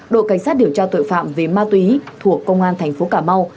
đội cảnh sát điều tra tội phạm về ma túy thuộc công an thành phố cà mau